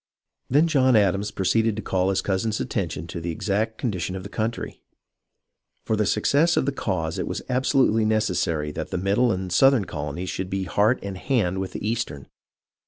Then John Adams proceeded to call his cousin's atten tion to the exact condition of the country. For the suc cess of the cause it was absolutely necessary that the middle and southern colonies should be heart and hand with the eastern.